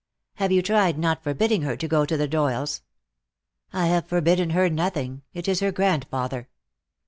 "Have you tried not forbidding her to go to the Doyles?" "I have forbidden her nothing. It is her grandfather."